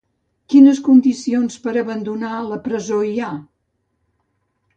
Quines condicions per abandonar la presó hi ha?